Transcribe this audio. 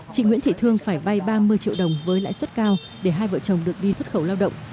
chị nguyễn thị thương phải vay ba mươi triệu đồng với lãi suất cao để hai vợ chồng được đi xuất khẩu lao động